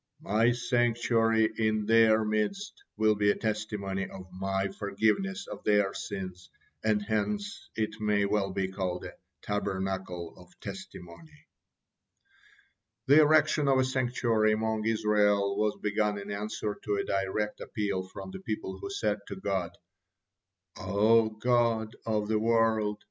My sanctuary in their midst will be a testimony of My forgiveness of their sins, and hence it may well be called a 'Tabernacle of Testimony.'" The erection of a sanctuary among Israel was begun in answer to a direct appeal from the people, who said to God: "O Lord of the world!